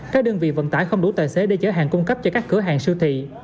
các đơn vị vận tải không đủ tài xế để chở hàng cung cấp cho các cửa hàng siêu thị